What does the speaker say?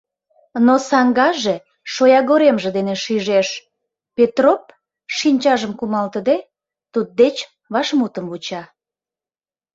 Но саҥгаже, шоягоремже дене шижеш: Петроп, шинчажым кумалтыде, туддеч вашмутым вуча.